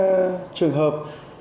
đối với trường hợp